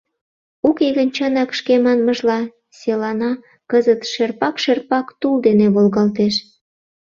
Уке гын, чынак, шке манмыжла, селана кызыт шерпак-шерпак тул дене волгалтеш.